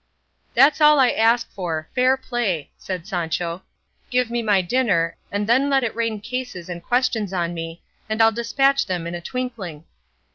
"That's all I ask for fair play," said Sancho; "give me my dinner, and then let it rain cases and questions on me, and I'll despatch them in a twinkling."